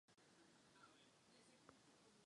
Došlo k vytvoření systému poskytování těžebních práv.